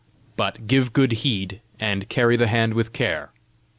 But give good heed, and carry the hand with care.